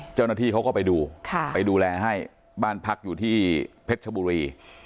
เจ้าหน้าที่เขาก็ไปดูไปดูแลให้บ้านพักอยู่ที่เพชรชบุรี